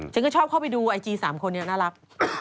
ฉันก็ชอบเข้าไปดูไอจี๓คนนี้น่ารัก